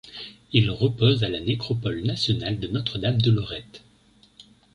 Il repose à la Nécropole nationale de Notre-Dame-de-Lorette.